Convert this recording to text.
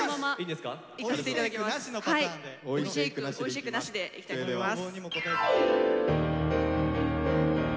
「ＳＨＡＫＥ」なしでいきたいと思います。